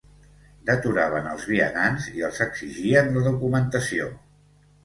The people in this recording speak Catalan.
Deturaven els vianants i els exigien la documentació